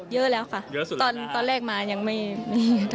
เยอะแล้วค่ะตอนแรกมายังไม่ได้